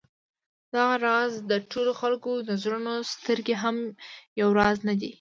دغه راز د ټولو خلکو د زړونو سترګې هم یو راز نه دي.